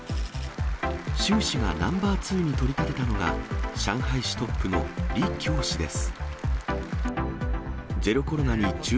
習氏がナンバー２に取り立てたのが、上海市トップの李強氏です。